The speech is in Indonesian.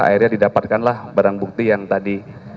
akhirnya didapatkanlah barang bukti yang tadi